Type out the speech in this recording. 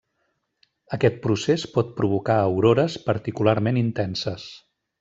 Aquest procés pot provocar aurores particularment intenses.